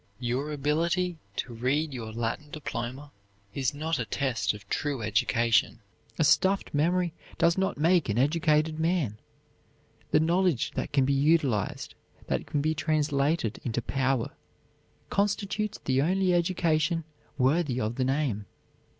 Your ability to read your Latin diploma is not a test of true education; a stuffed memory does not make an educated man. The knowledge that can be utilized, that can be translated into power, constitutes the only education worthy of the name.